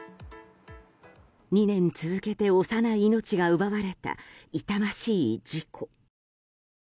２年続けて幼い命が奪われた痛ましい事故。